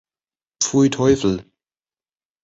Pfui Teufel!